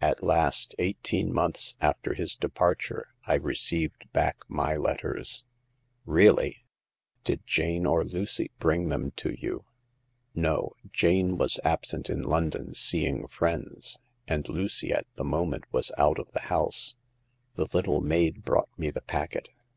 At last, eighteen months after his departure, I received back my letters." " Really ! Did Jane or Lucy bring them to you?" " No ; Jane was absent in London seeing friends ; and Lucy at the moment was out of the house, The little maid brought me the packet.